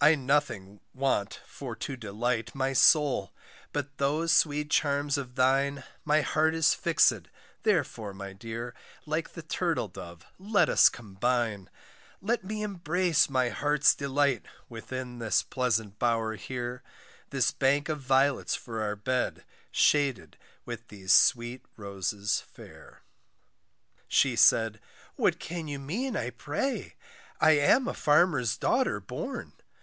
I nothing want for to delight My soul, but those sweet charms of thine, My heart is fix'd, therefore my dear, Like the turtle dove let us combine, Let me embrace my heart's delight, Within this pleasant bower here; This bank of violets for our bed, Shaded with these sweet roses fair, She said, what can you mean, I pray, I am a farmer's daughter born.